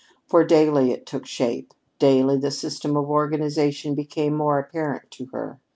For daily it took shape; daily the system of organization became more apparent to her.